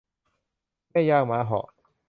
แม่ย่างม้าเหาะ